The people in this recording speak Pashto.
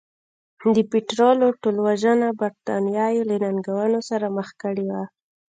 د پیټرلو ټولوژنه برېټانیا یې له ننګونو سره مخ کړې وه.